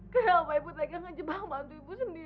kamu akan aman di sini